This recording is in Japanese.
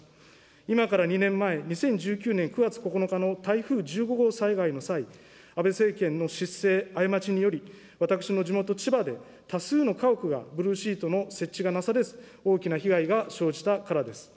今から２年前、２０１９年９月９日の台風１５号災害の際、安倍政権の失政、過ちにより、私の地元、千葉で、多数の家屋がブルーシートの設置がなされず、大きな被害が生じたからです。